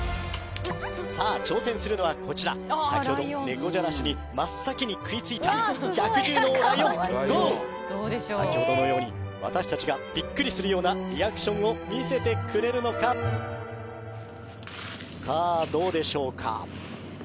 さあ挑戦するのはこちら先ほどネコじゃらしに真っ先に食いついた百獣の王ライオンＧＯ先ほどのように私たちがびっくりするようなリアクションを見せてくれるのかさあどうでしょうか？